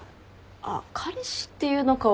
あっ彼氏っていうのかは。